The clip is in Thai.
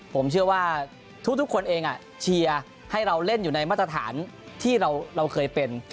ผมเชื่อว่าทุกคนเองเชียร์ให้เราเล่นอยู่ในมาตรฐานที่เราเคยเป็น